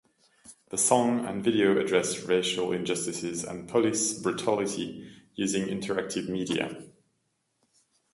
The song and video addressed racial injustices and police brutality using interactive media.